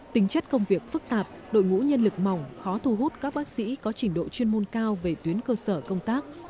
tính chất công việc phức tạp đội ngũ nhân lực mỏng khó thu hút các bác sĩ có trình độ chuyên môn cao về tuyến cơ sở công tác